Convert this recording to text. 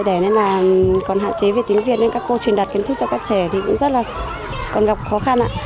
và còn hạn chế về tiếng việt nên các cô truyền đặt kiến thức cho các trẻ thì cũng rất là còn gặp khó khăn ạ